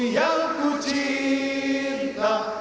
bangsa dan tanah airku